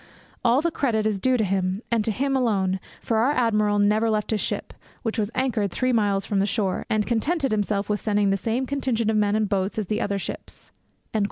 All the credit is due to him, and to him alone, for our admiral never left his ship, which was anchored three miles from the shore, and contented himself with sending the same contingent of men and boats as the other ships.'